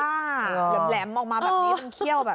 เหล็มบอกมาแบบนี้ลงเครียว